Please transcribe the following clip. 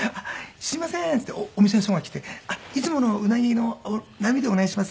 「すいませーん」っていってお店の人が来て「いつもの鰻の並でお願いします」